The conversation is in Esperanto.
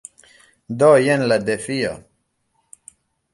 Do jen la defio.